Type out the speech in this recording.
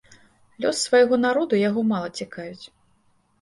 Лёс свайго народу яго мала цікавіць.